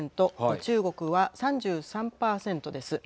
中国は３３％です。